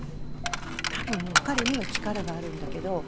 多分彼には力があるんだけど。